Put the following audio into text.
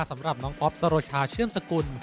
สำหรับน้องอ๊อฟสโรชาเชื่อมสกุล